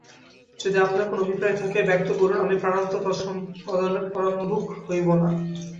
যদি আপনকার কোন অভিপ্রায় থাকে ব্যক্ত করুন আমি প্রাণান্তেও তৎসম্পাদনে পরাঙ্মুখ হইব না।